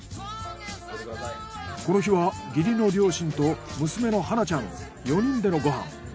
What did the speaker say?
この日は義理の両親と娘の羽夏ちゃん４人でのご飯。